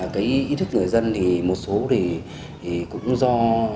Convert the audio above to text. cái ý thức người dân thì một số thì cũng do